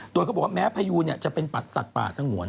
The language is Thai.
โดยเขาบอกว่าแม้พยูนจะเป็นปัดสัตว์ป่าสงวน